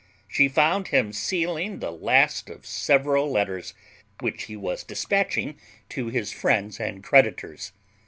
She found him sealing the last of several letters, which he was despatching to his friends and creditors.